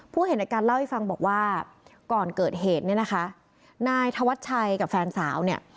เห็นในการเล่าให้ฟังบอกว่าก่อนเกิดเหตุเนี่ยนะคะนายธวัชชัยกับแฟนสาวเนี่ย